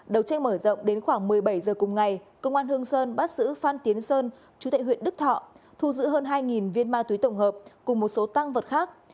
đầu tranh mở rộng đến khoảng một mươi bảy h cùng ngày công an hương sơn bắt giữ phan tiến sơn chú tệ huyện đức thọ thu giữ hơn hai viên ma túy tổng hợp cùng một số tăng vật khác